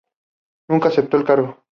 Nunca aceptó el cargo.